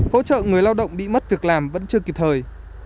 hỗ trợ người lao động bị mất việc làm vẫn chưa kịp thời